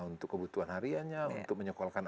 untuk kebutuhan harianya untuk menyekolahkan